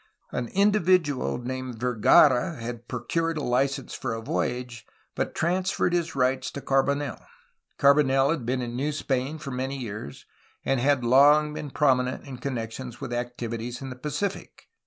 An individual named Vergara had procured a license for a voyage, but transferred his rights to Carbonel. Carbonel had been in New Spain for many years, and had long been prominent in connection with activities in the Pacific.